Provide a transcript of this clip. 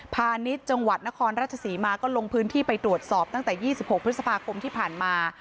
พาณิชย์จังหวัดนครราชศรีมาก็ลงพื้นที่ไปตรวจสอบตั้งแต่๒๖พฤษภาคมที่ผ่านมา